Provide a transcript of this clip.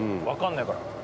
分かんないから。